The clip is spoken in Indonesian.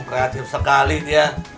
kreatif sekali dia